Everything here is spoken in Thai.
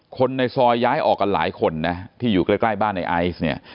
คนในซอยย้ายออกกันหลายคนนะที่อยู่ใกล้บ้านในไอซ์เนี่ย